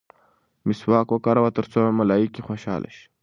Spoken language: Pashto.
مسواک وکاروه ترڅو ملایکې خوشحاله شي.